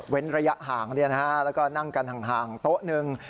ระยะห่างแล้วก็นั่งกันห่างโต๊ะหนึ่ง